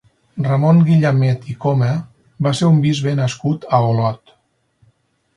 Ramon Guillamet i Coma va ser un bisbe nascut a Olot.